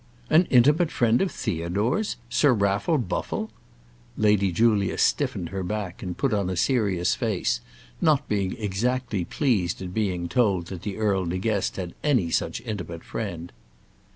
"An intimate friend of Theodore's! Sir Raffle Buffle!" Lady Julia stiffened her back and put on a serious face, not being exactly pleased at being told that the Earl De Guest had any such intimate friend.